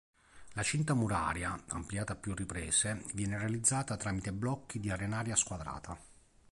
La cinta muraria, ampliata a più riprese, viene realizzata tramite blocchi di arenaria squadrata.